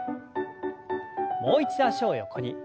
もう一度脚を横に。